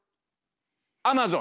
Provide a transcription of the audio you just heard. アマゾン！